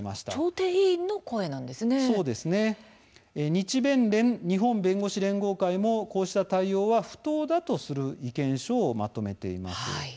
日弁連・日本弁護士連合会もこうした対応は不当だとする意見書をまとめています。